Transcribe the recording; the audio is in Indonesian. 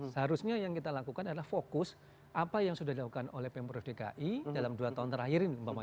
seharusnya yang kita lakukan adalah fokus apa yang sudah dilakukan oleh pemprov dki dalam dua tahun terakhir ini